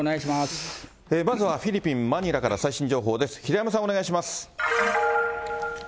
まずはフィリピン・マニラから最新情報です。